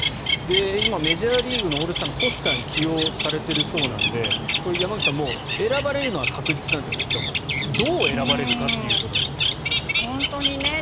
今、メジャーリーグのオールスターのポスターに起用されているそうなので山口さん、選ばれるのは確実なんでしょうけどどう選ばれるか。